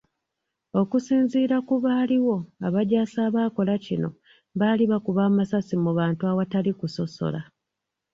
Okusinziira ku baaliwo, abajaasi abaakola kino, baali bakuba amasasi mu bantu awatali kusosola.